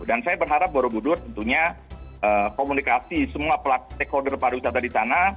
dan saya berharap borobudur tentunya komunikasi semua pelatih stakeholder para wisata di sana